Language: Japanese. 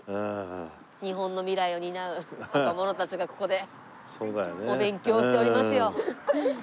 日本の未来を担う若者たちがここでお勉強をしておりますよ。